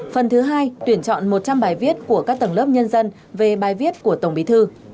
phần thứ hai tuyển chọn một trăm linh bài viết của các tầng lớp nhân dân về bài viết của tổng bí thư